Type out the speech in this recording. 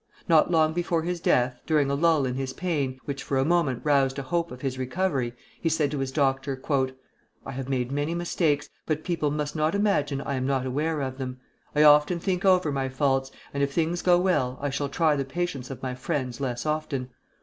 Not long before his death, during a lull in his pain, which for a moment roused a hope of his recovery, he said to his doctor: "I have made many mistakes, but people must not imagine I am not aware of them; I often think over my faults, and if things go well I shall try the patience of my friends less often.